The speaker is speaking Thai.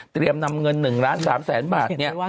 เตรียมนำเงิน๑๓๐๐๐๐๐บาทเนี่ย